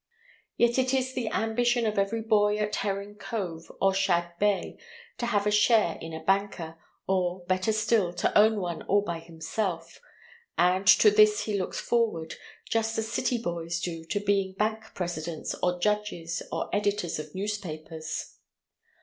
Yet it is the ambition of every boy at Herring Cove or Shad Bay to have a share in a Banker, or, better still, to own one all by himself; and to this he looks forward, just as city boys do to being bank presidents or judges or editors of newspapers.